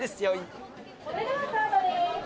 それではスタートです！